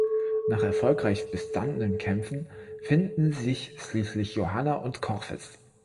Nach erfolgreich bestandenen Kämpfen finden sich schließlich Johanna und Korfes.